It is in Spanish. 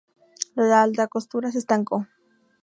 La alta costura se estancó.